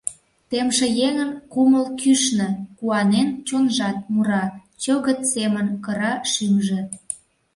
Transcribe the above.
Темше еҥын кумыл кӱшнӧ, куанен чонжат мура, чӧгыт семын кыра шӱмжӧ.